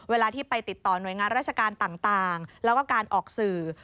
เวลาที่ไปติดต่อหน่วยงานราชการต่างแล้วก็การออกสื่อ